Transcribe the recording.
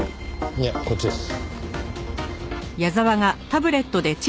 いやこっちです。